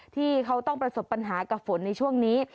ที่เขาต้องประสบปัญหากับฝนในช่วงนี้